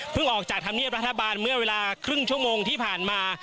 ออกจากธรรมเนียบรัฐบาลเมื่อเวลาครึ่งชั่วโมงที่ผ่านมา